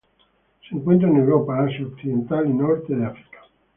Se encuentra en Europa, Asia Occidental y norte de África.